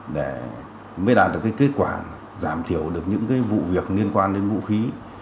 để mới đạt được kết quả giảm thiểu được những vụ việc liên quan đến vũ khí